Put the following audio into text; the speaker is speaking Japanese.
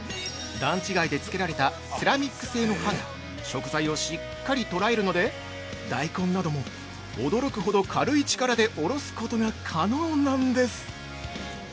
段違いで付けられたセラミック製の刃が、食材をしっかり捕らえるので、大根なども、驚くほど軽い力でおろすことが可能なんです！